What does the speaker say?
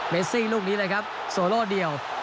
ซี่ลูกนี้เลยครับโซโลเดียว